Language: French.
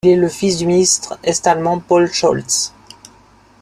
Il est le fils du ministre est-allemand Paul Scholz.